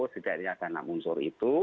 sejadinya dana unsur itu